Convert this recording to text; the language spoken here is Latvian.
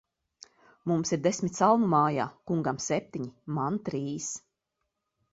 Mums ir desmit salmu mājā; kungam septiņi, man trīs.